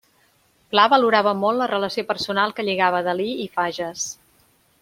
Pla valorava molt la relació personal que lligava Dalí i Fages.